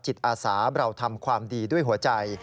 อาสาเราทำความดีด้วยหัวใจ